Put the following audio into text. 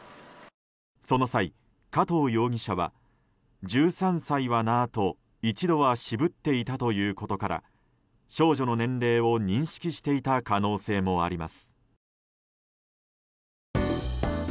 その際、加藤容疑者は１３歳はなと一度は渋っていたということから少女の年齢を認識していた可能性もあります。